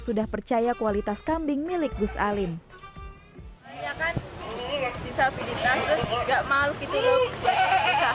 sudah percaya kualitas kambing milik gus alim disabilitas enggak malu gitu loh